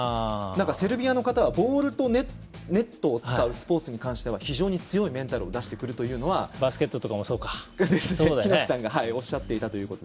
セルビアの方はボールとネットを使うスポーツに関して非常に強いメンタルを出してくるっていうところは喜熨斗さんがおっしゃっていました。